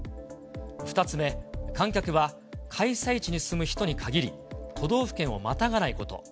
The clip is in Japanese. ２つ目、観客は開催地に住む人に限り、都道府県をまたがないこと。